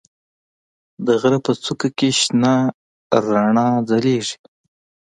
د غره په څوکه کې شنه رڼا ځلېږي.